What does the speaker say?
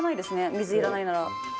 水いらないなら。